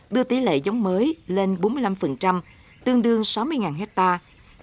đưa tỷ lệ giống mới lên bốn mươi năm tương đương sáu mươi hectare